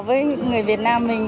với người việt nam mình